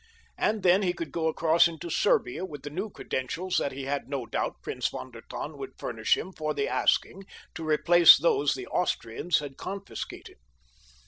And then he could go across into Serbia with the new credentials that he had no doubt Prince von der Tann would furnish him for the asking to replace those the Austrians had confiscated.